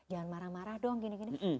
jangan marah marah dong gini gini